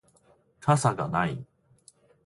傘がない